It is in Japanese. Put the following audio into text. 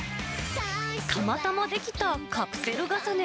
たまたまできたカプセル重ね。